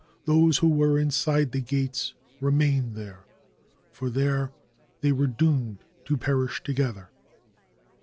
Those who were inside the gates remained there, for there they were doomed to perish together.